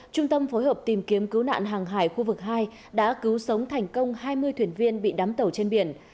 trung tâm phối hợp tìm kiếm cứu nạn hàng hải khu vực hai đã cứu sống thành công hai mươi thuyền viên bị đám tàu trên biển